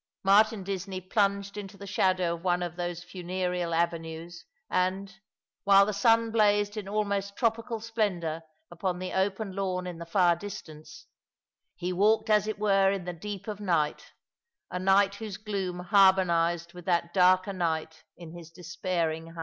Martin Disney plunged into the shadow of one of those funereal avenues, and — while the sun blazed in almost tropical splendour upon the open lawn in the far distance — he walked as it were in the deep of night, a night whose gloom harmonized with that darker night in his despairing heart.